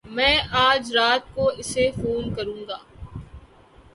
میں اج رات کو اسے فون کروں گا